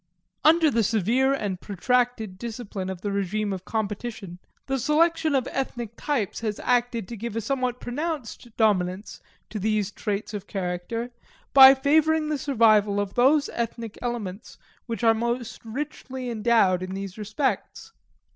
Under the severe and protracted discipline of the regime of competition, the selection of ethnic types has acted to give a somewhat pronounced dominance to these traits of character, by favoring the survival of those ethnic elements which are most richly endowed in these respects.